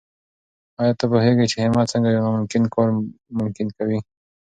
آیا ته پوهېږې چې همت څنګه یو ناممکن کار ممکن کوي؟